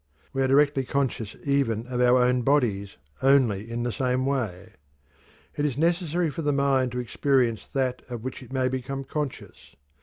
We are directly conscious even of our own bodies only in the same way. It is necessary for the mind to experience that of which it may become conscious.